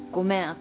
私